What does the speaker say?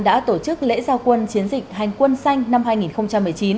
đã tổ chức lễ gia quân chiến dịch hành quân xanh năm hai nghìn một mươi chín